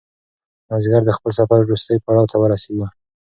مازیګر د خپل سفر وروستي پړاو ته ورسېد.